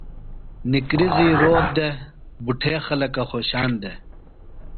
نکریزی روت دےۡ۔ بُٹھےخلکہ خوۡشان دےۡ۔